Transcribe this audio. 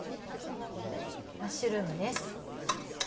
マッシュルームです。